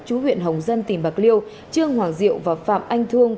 chú huyện hồng dân tỉnh bạc liêu trương hoàng diệu và phạm anh thương